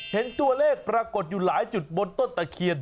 เห็นตัวเลขปรากฏอยู่หลายจุดบนต้นตะเคียน